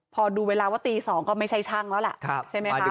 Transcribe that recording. พอดูเวลาว่าตี๒ก็ไม่ใช่ช่างแล้วล่ะ